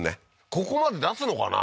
ここまで出すのかな？